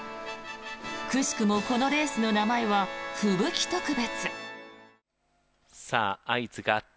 くしくもこのレースの名前は吹雪特別。